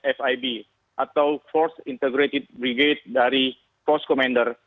pembaikan al berzi dari pembaikan al berzi atau force integrated brigade dari force commander